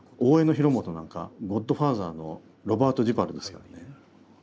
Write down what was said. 広元なんか「ゴッドファーザー」のロバート・デュバルですからね。